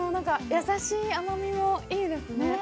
優しい甘みもいいですね。